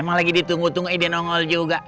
emang lagi ditunggu tunggu ide nongol juga